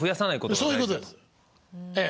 そういうことですええ。